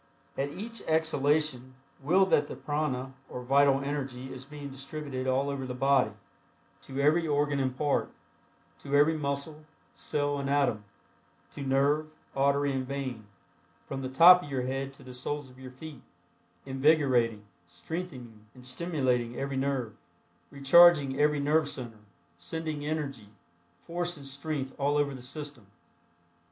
At each exhalation will that the prana or vital energy is being distributed all over the body, to every organ and part; to every muscle, cell and atom; to nerve, artery and vein; from the top of your head to the soles of your feet; invigorating, strengthening and stimulating every nerve; recharging every nerve center; sending energy, force and strength all over the system.